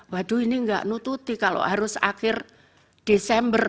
waduh ini nggak nututi kalau harus akhir desember